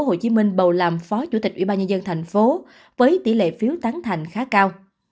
hội đồng nhân dân thành phố hồ chí minh bầu làm phó chủ tịch ủy ba nhân dân thành phố với tỷ lệ phiếu tán thành khá cao